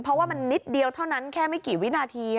เพราะว่ามันนิดเดียวเท่านั้นแค่ไม่กี่วินาที